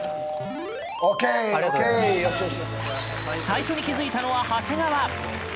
最初に気付いたのは長谷川！